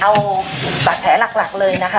เอาบาดแผลหลักเลยนะคะ